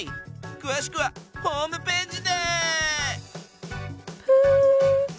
詳しくはホームページで！